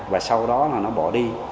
và sau đó nó bỏ đi